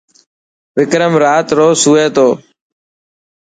وڪرم رات رو سوي ٿو.